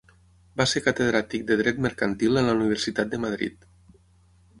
Va ser catedràtic de dret mercantil en la Universitat de Madrid.